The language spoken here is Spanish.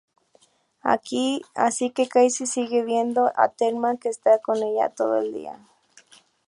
Así que Cassie sigue viendo a Thelma, que está con ella todo el día.